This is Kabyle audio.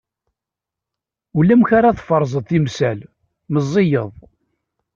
Ulamek ara tferẓeḍ timsal, meẓẓiyeḍ.